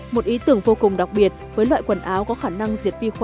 một ý tưởng vô cùng đặc biệt với loại quần áo có khả năng diệt vi khuẩn